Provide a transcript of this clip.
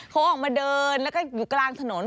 เขาออกมาเดินแล้วก็อยู่กลางถนน